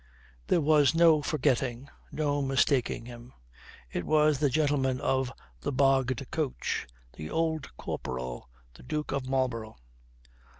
There was no forgetting, no mistaking him. It was the gentleman of the bogged coach, the Old Corporal, the Duke of Marlborough..